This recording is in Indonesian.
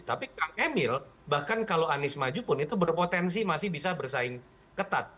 tapi kang emil bahkan kalau anies maju pun itu berpotensi masih bisa bersaing ketat